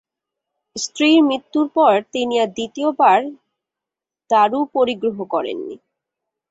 স্ত্রীর মৃত্যুর পর তিনি আর দ্বিতীয় বার দারুপরিগ্রহ করেননি।